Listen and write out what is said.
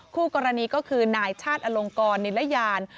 คู่กรณีก็คือนายชาติอลงกรนิรยาน